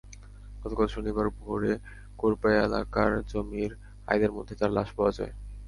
গতকাল শনিবার ভোরে কোরপাই এলাকার জমির আইলের মধ্যে তার লাশ পাওয়া যায়।